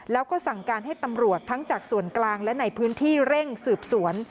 แล้วก็สั่งการให้ตำรวจทั้งจากส่วนกลางและในพื้นที่เร่งสืบสวน